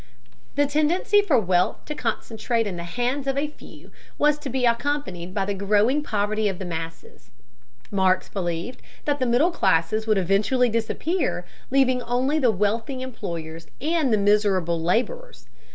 The tendency for wealth to concentrate in the hands of a few was to be accompanied by the growing poverty of the masses. Marx believed that the middle classes would eventually disappear, leaving only the wealthy employers and the miserable laborers.